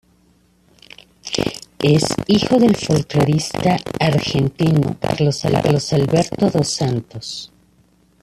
Es hijo del folclorista argentino Carlos Alberto Dos Santos.